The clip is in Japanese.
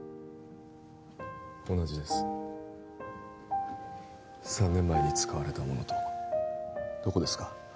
同じです３年前に使われたものとどこですか？